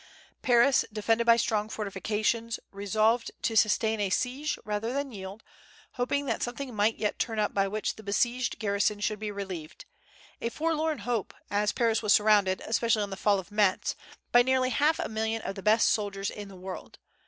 Paris, defended by strong fortifications, resolved to sustain a siege rather than yield, hoping that something might yet turn up by which the besieged garrison should be relieved, a forlorn hope, as Paris was surrounded, especially on the fall of Metz, by nearly half a million of the best soldiers in the world.